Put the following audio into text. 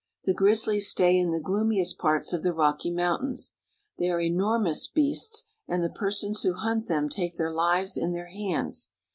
The grizzlies stay in the gloomiest parts of the Rocky Mountains. They are enormous beasts, and the persons who hunt them take their lives in their hands.